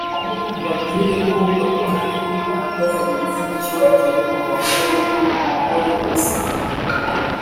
Mbabwire ko Gakondo Group ihagarariwe n’Icyogere mu bahungu Intore Masamba